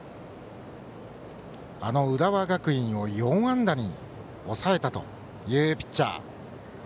あの浦和学院を４安打に抑えたというピッチャー。